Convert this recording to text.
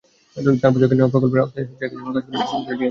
চার বছর আগে নেওয়া প্রকল্পের আওতায় একই সময় কাজ শুরু করে ডিএনসিসি।